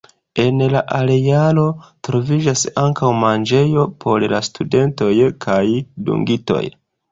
En la arealo troviĝas ankaŭ manĝejo por la studentoj kaj dungitoj.